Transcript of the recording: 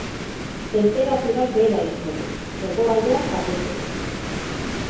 Tenperaturak behera egingo du, hegoaldean batez ere.